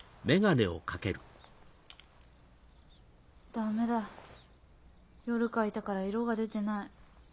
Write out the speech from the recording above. ダメだ夜描いたから色が出てない。